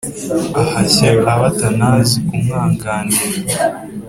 Ahashya abatanazi kumwanganira,